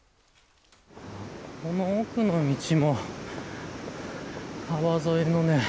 この奥の道も川沿いのね